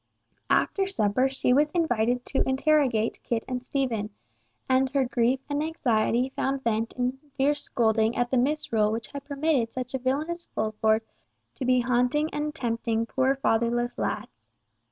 After supper she was invited to interrogate Kit and Stephen, and her grief and anxiety found vent in fierce scolding at the misrule which had permitted such a villain as Fulford to be haunting and tempting poor fatherless lads.